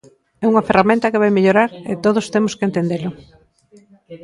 É unha ferramenta que vai mellorar e todos temos que entendelo.